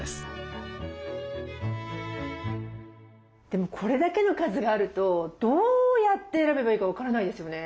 でもこれだけの数があるとどうやって選べばいいか分からないですよね。